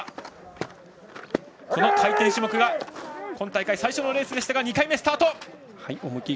この回転種目が今大会最初のレースでしたが２回目、スタート。